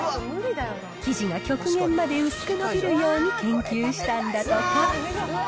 生地が極限まで薄く伸びるように研究したんだとか。